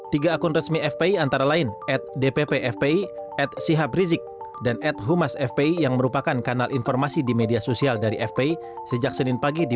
tiga akun resmi fpi antara lain